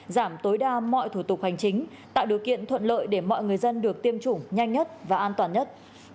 giảm tối đa mọi thủ tục hành chính tạo điều kiện thuận lợi để mọi người dân được tiêm chủng nhanh nhất và an toàn nhất